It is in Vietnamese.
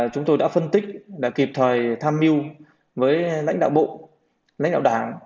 chúng tôi đã phân tích đã kịp thời tham mưu với lãnh đạo bộ lãnh đạo đảng